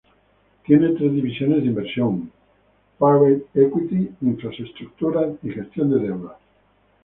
Tiene tres divisiones de inversión: Private Equity, Infraestructuras y Gestión de Deuda.